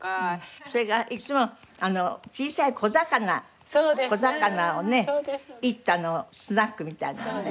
それからいつも小さい小魚小魚をね煎ったのをスナックみたいなのね。